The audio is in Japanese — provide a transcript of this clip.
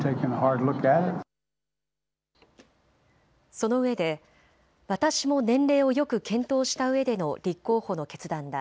そのうえで私も年齢をよく検討したうえでの立候補の決断だ。